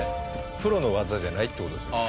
プロの技じゃないっていう事ですよね？